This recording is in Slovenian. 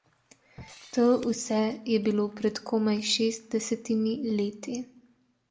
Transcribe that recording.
To vse je bilo pred komaj šestdesetimi leti.